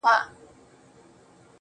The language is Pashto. • هغې ويل په پوري هـديــره كي ښخ دى .